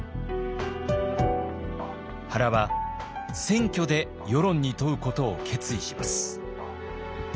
原は選挙で輿論に問うことを決意します。